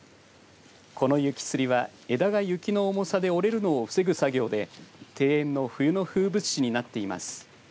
この雪つりは、枝が雪の重さで折れるのを防ぐ作業で庭園の冬の風物詩になっています。